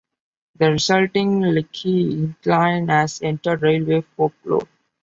The resulting Lickey Incline has entered railway folklore.